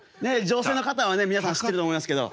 女性の方はね皆さん知ってると思いますけど。